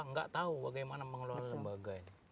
nggak tahu bagaimana mengelola lembaga ini